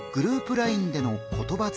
ＬＩＮＥでの言葉づかい。